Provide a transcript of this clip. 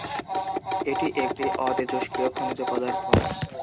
এটি একটি অতেজস্ক্রিয় খনিজ পদার্থ।